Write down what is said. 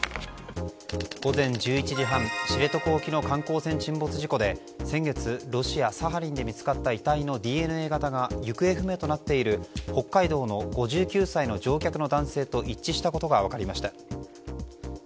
午前１１時半知床沖の観光船沈没事故で先月ロシア・サハリンで見つかった遺体のＤＮＡ型が行方不明となっている北海道の５９歳の乗客の男性と一致したことが分かりました。